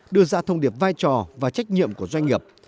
đưa ra thông điệp vai trò và trách nhiệm của doanh nghiệp